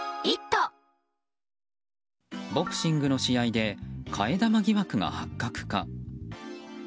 ボクシングの試合で替え玉疑惑が発覚か。